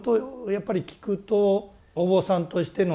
やっぱり聞くとお坊さんとしての修行